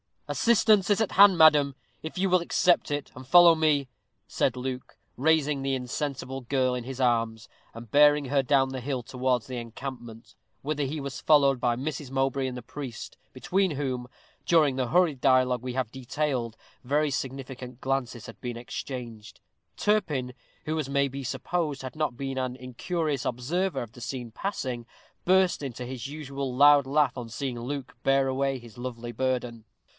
"Assistance is at hand, madam, if you will accept it, and follow me," said Luke, raising the insensible girl in his arms, and bearing her down the hill towards the encampment, whither he was followed by Mrs. Mowbray and the priest, between whom, during the hurried dialogue we have detailed, very significant glances had been exchanged. Turpin, who, as it may be supposed, had not been an incurious observer of the scene passing, burst into his usual loud laugh on seeing Luke bear away his lovely burden.